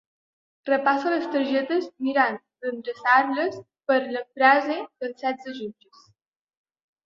Repasso les targetes mirant d'endreçar-les per la frase dels setze jutges.